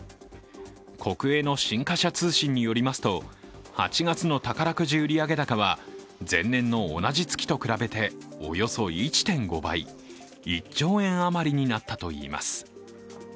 国営の新華社通信によりますと８月の宝くじ売上高は前年の同じ月と比べておよそ１．５倍、１兆円あまりになったといいます。